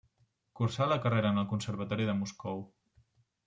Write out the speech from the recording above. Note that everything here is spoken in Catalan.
Cursà la carrera en el Conservatori de Moscou.